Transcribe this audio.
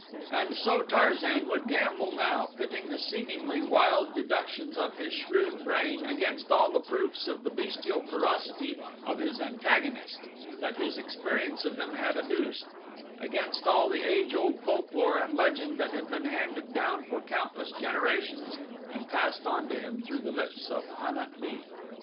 And so Tarzan would gamble now, pitting the seemingly wild deductions of his shrewd brain against all the proofs of the bestial ferocity of his antagonists that his experience of them had adduced against all the age old folklore and legend that had been handed down for countless generations and passed on to him through the lips of Pan at lee.